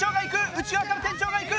内側から店長がいく！